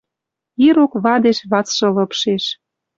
Ирок-вадеш вацшы лыпшеш